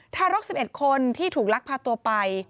ทารก๑๑คนที่ถูกลักพาตัวไป